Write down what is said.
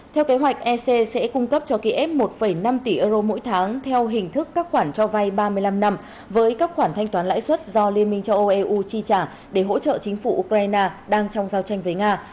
theo kế hoạch ec sẽ cung cấp cho kiev một năm tỷ euro mỗi tháng theo hình thức các khoản cho vay ba mươi năm năm với các khoản thanh toán lãi suất do liên minh châu âu eu chi trả để hỗ trợ chính phủ ukraine đang trong giao tranh với nga